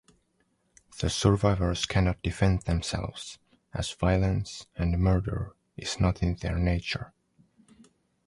The survivors cannot defend themselves, as violence and murder is not in their nature.